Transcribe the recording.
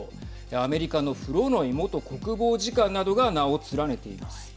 アメリカのフロノイ元国防次官などが名を連ねています。